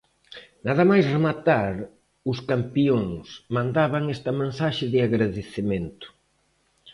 Nada máis rematar, os campións mandaban esta mensaxe de agradecemento.